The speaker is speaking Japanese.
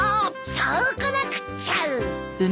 そうこなくっちゃ！